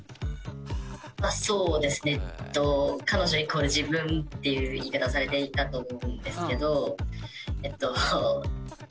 そうですねっていう言い方をされていたと思うんですけど。